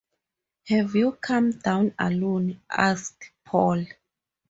“Have you come down alone?” asked Paul.